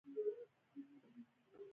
پومپیو له کابل څخه سمدستي قطر ته ولاړ.